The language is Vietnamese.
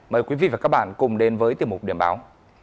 mời quý vị và các bạn cùng đến với tiểu mục điểm báo